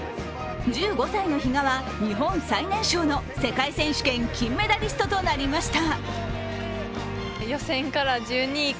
１５歳の比嘉は日本最年少の世界選手権金メダリストとなりました。